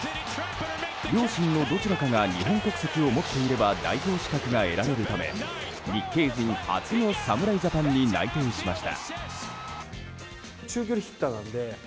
両親のどちらかが日本国籍を持っていれば代表資格が得られるため日系人初の侍ジャパンに内定しました。